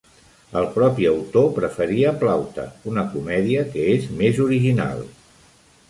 El propi autor preferia "Plaute", una comèdia, que és més original.